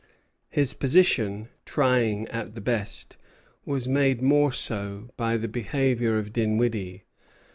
His position, trying at the best, was made more so by the behavior of Dinwiddie.